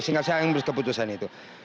sehingga saya yang berputusan itu